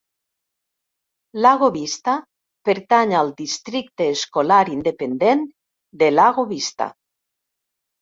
Lago Vista pertany al districte escolar independent de Lago Vista.